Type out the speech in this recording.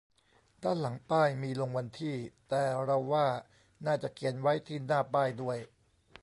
ด้านหลังป้ายมีลงวันที่ แต่เราว่าน่าจะเขียนไว้ที่หน้าป้ายด้วย